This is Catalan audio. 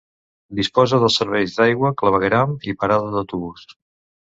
Disposa dels serveis d'aigua, clavegueram i parada d'autobús.